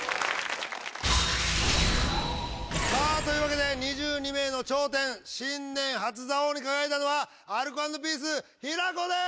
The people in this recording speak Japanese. さあというわけで２２名の頂点新年初座王に輝いたのはアルコ＆ピース平子です！